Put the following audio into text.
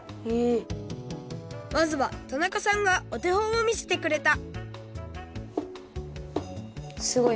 まずは田中さんがおてほんをみせてくれたすごい。